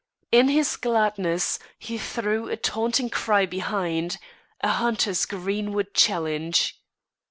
In his gladness he threw a taunting cry behind, a hunter's greenwood challenge.